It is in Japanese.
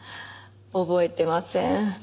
覚えてません。